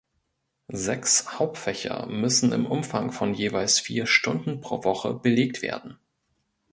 Sechs Hauptfächer müssen im Umfang von jeweils vier Stunden pro Woche belegt werden.